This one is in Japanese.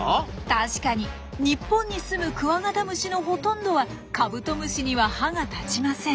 確かに日本にすむクワガタムシのほとんどはカブトムシには歯が立ちません。